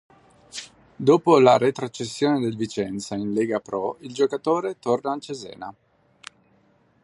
Dopo la retrocessione del Vicenza in Lega Pro il giocatore torna al Cesena.